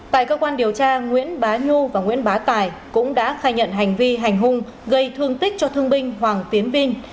tại cơ quan điều tra nguyễn bá nhu và nguyễn bá tài cũng đã khai nhận hành vi hành hung gây thương tích cho thương binh hoàng tiến vinh